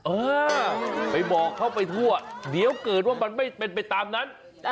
เออไปบอกเขาไปทั่วเดี๋ยวเกิดว่ามันไม่เป็นไปตามนั้น